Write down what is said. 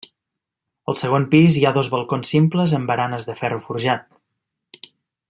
Al segon pis hi ha dos balcons simples amb baranes de ferro forjat.